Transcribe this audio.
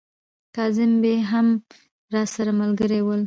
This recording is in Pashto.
کاظم بې هم راسره ملګري ول.